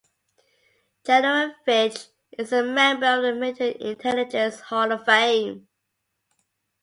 General Fitch is a member of the Military Intelligence Hall of Fame.